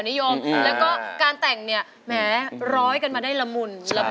ยุคนึงที่มีสองแถวนิยมแล้วก็การแต่งแม้ร้อยกันมาได้ละมุน